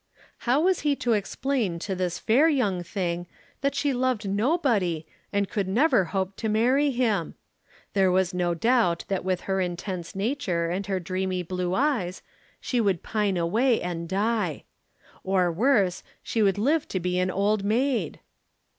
How was he to explain to this fair young thing that she loved nobody and could never hope to marry him? There was no doubt that with her intense nature and her dreamy blue eyes she would pine away and die. Or worse, she would live to be an old maid.